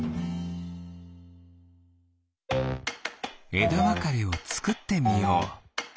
えだわかれをつくってみよう。